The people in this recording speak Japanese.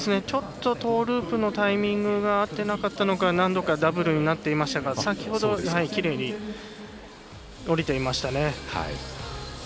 ちょっとトーループのタイミングが合っていなかったのか何度かダブルになっていましたが先ほどきれいに降りていましたね。